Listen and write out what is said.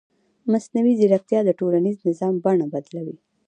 مصنوعي ځیرکتیا د ټولنیز نظم بڼه بدلوي.